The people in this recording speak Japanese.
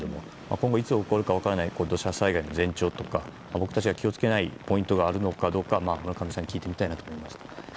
今後いつ起こるか分からない土砂災害の前兆とか僕たちが気を付けなければいけないポイントがあるのかどうか聞いてみたいですね。